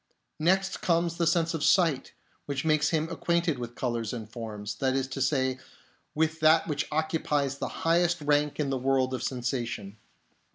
Next comes the sense of sight, which makes him acquainted with colours and forms ; that is to say, with that which occupies the highest rank in the world of sensation.